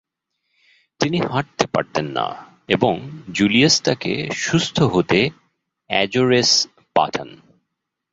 তিনি হাঁটতে পারতেন না, এবং জুনিয়াস তাকে সুস্থ্য হতে এজোরেস পাঠান।